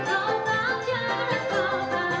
ketika kerajaan berada di negara